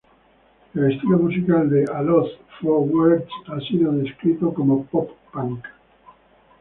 El estilo musical de A Loss for Words ha sido descrito como pop punk.